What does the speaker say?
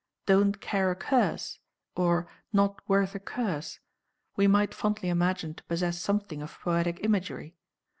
"Don't care a curse," or "Not worth a curse," we might fondly imagine to possess something of poetic imagery.